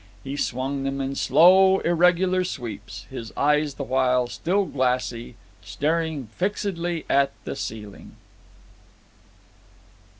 He swung them in slow, irregular sweeps, his eyes the while, still glassy, staring fixedly at the ceiling.